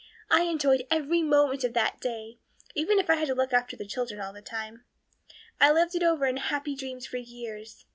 I enjoyed every moment of that day, even if I had to look after the children all the time. I lived it over in happy dreams for years.